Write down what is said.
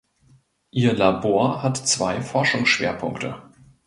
Ihr Labor hat zwei Forschungsschwerpunkte.